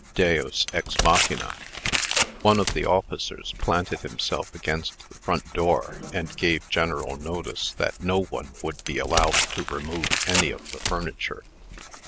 DEUS EX MACHINA. One of the officers planted himself against the front door, and gave general notice that no one would be allowed to remove any of the furniture.